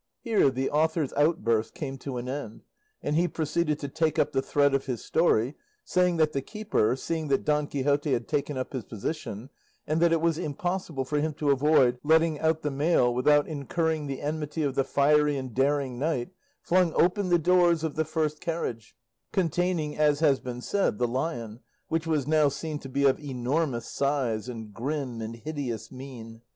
Here the author's outburst came to an end, and he proceeded to take up the thread of his story, saying that the keeper, seeing that Don Quixote had taken up his position, and that it was impossible for him to avoid letting out the male without incurring the enmity of the fiery and daring knight, flung open the doors of the first cage, containing, as has been said, the lion, which was now seen to be of enormous size, and grim and hideous mien.